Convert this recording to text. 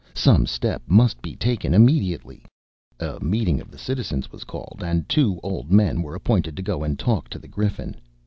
Some step must be taken immediately. A meeting of the citizens was called, and two old men were appointed to go and talk to the Griffin.